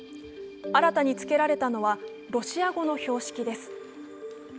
新たに付けられたのは、ロシア語の標識です。